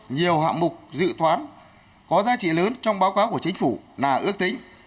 nhiều hạng mục dự toán có giá trị lớn trong báo cáo của chính phủ là ước tính